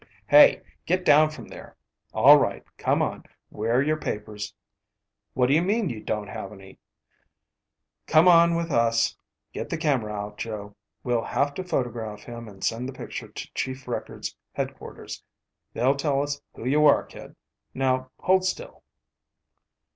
"Hey, get down from there! All right, come on. Where're your papers? What do you mean you don't have any? Come on with us. Get the camera out, Jo. We'll have to photograph him and send the picture to Chief Records Headquarters. They'll tell us who you are, kid. Now hold still."